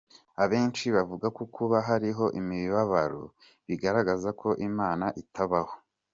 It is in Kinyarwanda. Abenshi bavuga ko kuba hariho imibabaro bigaragaza ko Imana itabaho.